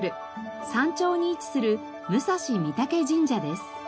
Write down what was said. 山頂に位置する武蔵御嶽神社です。